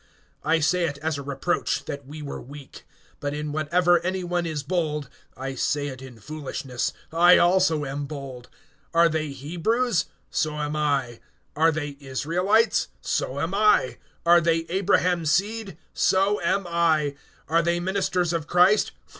(21)I say it as a reproach, that we were weak. But in whatever any one is bold (I say it in foolishness), I also am bold. (22)Are they Hebrews? So am I Are they Israelites? So am I. Are they Abraham's seed? So am I. (23)Are they ministers of Christ?